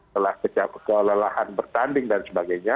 telah kelelahan bertanding dan sebagainya